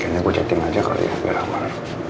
kayaknya gue chatting aja kali ya biar aman